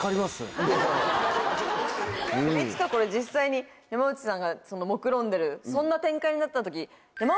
いつかこれ実際に山内さんがもくろんでるそんな展開になった時。